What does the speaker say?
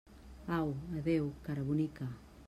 Au, adéu, cara bonica!